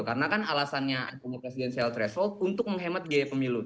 karena kan alasannya presiden sel threshold untuk menghemat biaya pemilu